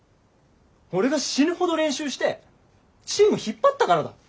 俺が死ぬほど練習してチーム引っ張ったからだ。